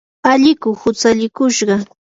alliku hutsallikushqa.